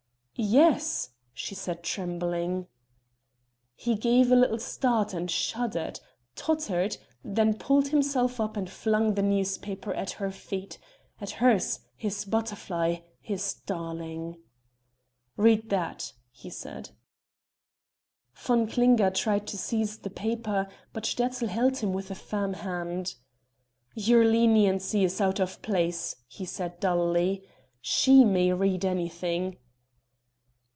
"Yes," she said trembling. He gave a little start and shuddered tottered then he pulled himself up and flung the newspaper at her feet at hers his butterfly, his darling! "Read that," he said. Von Klinger tried to seize the paper, but Sterzl held him with a firm hand. "Your leniency is out of place," he said dully; "she may read anything."